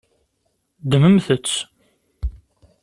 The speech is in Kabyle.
Ddmemt-tt.